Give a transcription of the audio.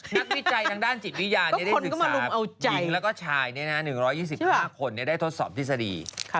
นักวิจัยทางด้านจิตวิญญาได้ถึงสรุปยิงแล้วก็ชาย๑๒๕คนได้ทดสอบทฤษฎี